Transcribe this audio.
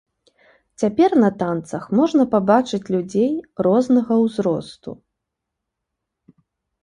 Цяпер на танцах можна пабачыць людзей рознага ўзросту.